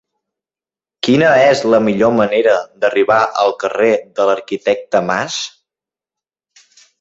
Quina és la millor manera d'arribar al carrer de l'Arquitecte Mas?